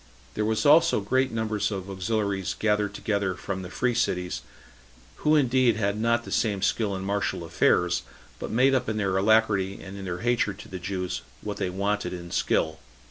There were also great numbers of auxiliaries gathered together from the [free] cities, who indeed had not the same skill in martial affairs, but made up in their alacrity and in their hatred to the Jews what they wanted in skill.